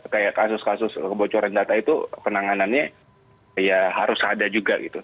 kayak kasus kasus kebocoran data itu penanganannya ya harus ada juga gitu